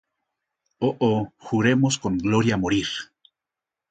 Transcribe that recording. Oh, oh, juremos con gloria morir